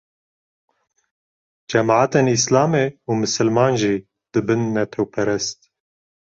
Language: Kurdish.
cemeatên Îslamê û misliman jî dibin netewperest